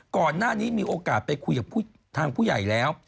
ก่อนหน้านี้มีโอกาสไปคุยกับทางผู้ใหญ่แล้ว